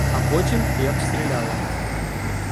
А потім — як стріляли.